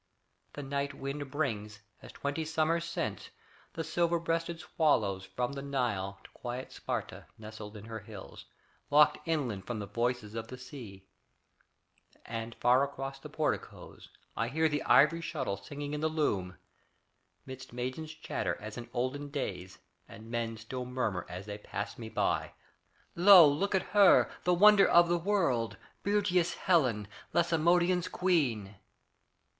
The night wind brings, as twenty summers since, The silver breasted swallows from the Nile To quiet Sparta, nestled in her hills, Locked inland from the voices of the sea; And far across the porticos I hear The ivory shuttle singing in the loom 'Midst maidens' chatter, as in olden days; And men still murmur as they pass me by: "Lo, look on her, the wonder of the world, Beauteous Helen, Lacedæmon's Queen!"